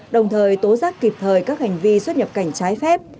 đồng thời tố giác kịp thời các hành vi xuất nhập cảnh trái phép